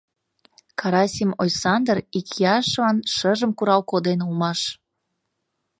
Карасим Ойсандыр икияшлан шыжым курал коден улмаш.